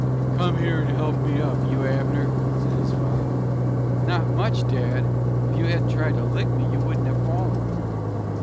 "Come here and help me up, you Abner!" said his father. "Not much, dad! If you hadn't tried to lick me you wouldn't have fallen!"